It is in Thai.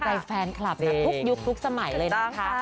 ที่สุดแล้ว